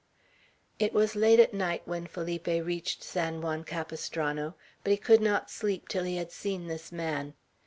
It was late at night when Felipe reached San Juan Capistrano; but he could not sleep till he had seen this man.